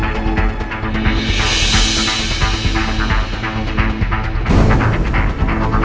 aku harus bisa keluar